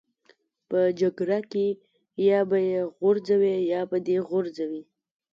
په جګړه کې یا به یې غورځوې یا به دې غورځوي